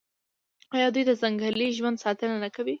آیا دوی د ځنګلي ژوند ساتنه نه کوي؟